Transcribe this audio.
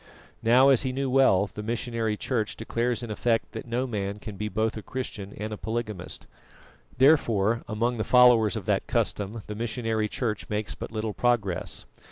Now, as he knew well, the missionary Church declares in effect that no man can be both a Christian and a polygamist; therefore among the followers of that custom the missionary Church makes but little progress.